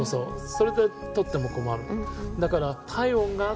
それで撮っても困る。